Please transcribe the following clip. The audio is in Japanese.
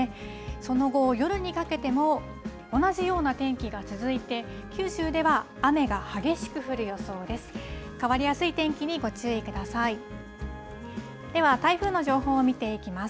その後、夜にかけても同じような天気が続いて、九州では雨が激しく降る予想です。